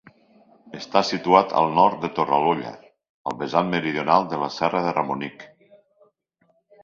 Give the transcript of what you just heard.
Està situat al nord de Torallola, al vessant meridional de la Serra de Ramonic.